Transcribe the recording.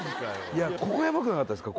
ここヤバくなかったですか？